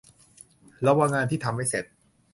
ระวังงานที่ทำไม่เสร็จ